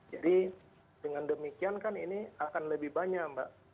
jadi dengan demikian kan ini akan lebih banyak mbak